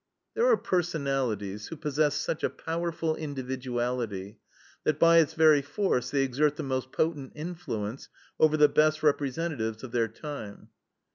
There are personalities who possess such a powerful individuality that by its very force they exert the most potent influence over the best representatives of their time.